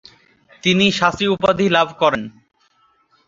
তিনি 'শাস্ত্রী' উপাধি লাভ করেন।